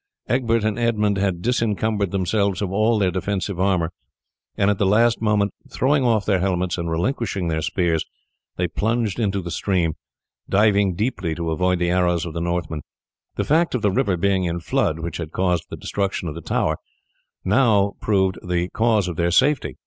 Egbert and Edmund had disencumbered themselves of all their defensive armour, and at the last moment, throwing off their helmets and relinquishing their spears, they plunged into the stream, diving deeply to avoid the arrows of the Northmen. The fact of the river being in flood, which had caused the destruction of the tower, now proved the cause of their safety.